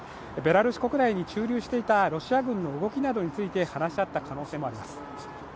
ベラルーシ国内に駐留していたロシア軍の動きなどについて話し合った可能性もあります。